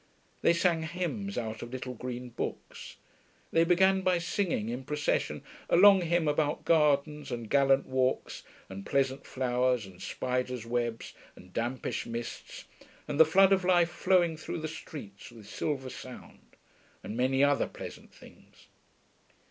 They sang hymns out of little green books. They began by singing, in procession, a long hymn about gardens and gallant walks and pleasant flowers and spiders' webs and dampish mists, and the flood of life flowing through the streets with silver sound, and many other pleasant things.